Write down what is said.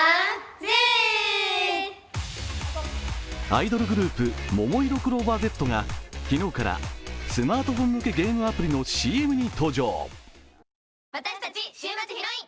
アイドルグループ、ももいろクローバーＺが昨日からスマートフォン向けゲームアプリのＣＭに登場。